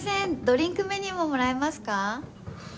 ドリンクメニューももらえますか？